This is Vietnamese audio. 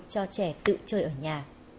cho trẻ tự chơi ở nhà